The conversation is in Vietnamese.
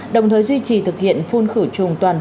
đồng thời duy trì thực hiện phun khử trùng toàn bộ